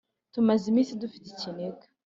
tumaze iminsi dufite ikiniga